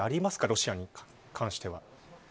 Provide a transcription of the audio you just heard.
ロシアに関しては。